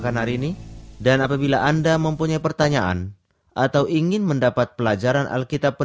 salam dan doa kami menyertai anda sekalian